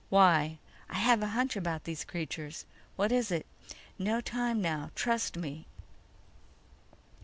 _ "Why?" "I have a hunch about these creatures." "What is it?" _"No time now. Trust me."